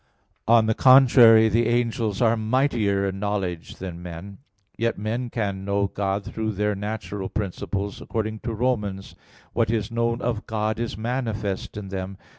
On the contrary, The angels are mightier in knowledge than men. Yet men can know God through their natural principles; according to Rom. 1:19: "what is known of God is manifest in them."